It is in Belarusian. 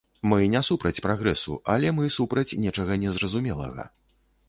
Мы не супраць прагрэсу, але мы супраць нечага незразумелага.